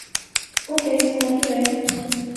Okej, skål för dig.